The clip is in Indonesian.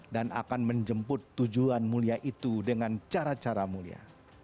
dan akan menjemput tujuan mulia itu dengan cara cara mulia